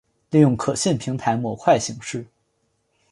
利用可信平台模块形式。